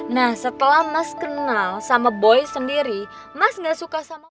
nah setelah mas kenal sama boy sendiri mas gak suka sama kopi